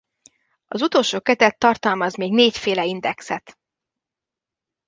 Az utolsó kötet tartalmaz még négyféle indexet.